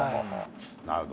なるほど。